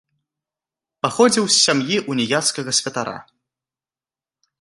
Паходзіў з сям'і ўніяцкага святара.